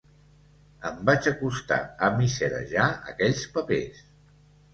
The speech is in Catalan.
Em vaig acostar a misserejar aquells papers.